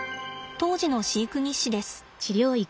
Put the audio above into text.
当時の飼育日誌です。